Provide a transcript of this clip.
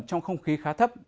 trong không khí khá thấp